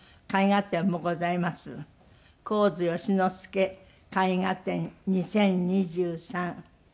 「神津善之介絵画展２０２３」。